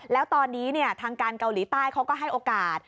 แล้วตอนนี้ทางการเกาหลีใต้เขาก็ให้โอกาส